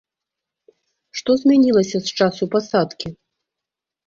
Што змянілася з часу пасадкі?